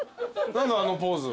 あのポーズ。